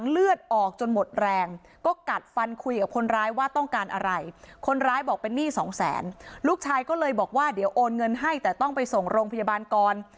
ลูกชายก็เลยบอกว่าเดี๋ยวโอนเงินให้แต่ต้องไปส่งโรงพยาบาลก่อน